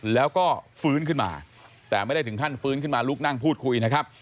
แล้วก็ฟื้นขึ้นมาแต่ไม่ได้ถึงขั้นฟื้นขึ้นมาลุกนั่งพูดคุยนะครับ